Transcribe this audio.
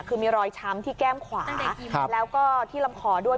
คือมีรอยช้ำที่แก้มขวาแล้วก็ที่ลำคอด้วย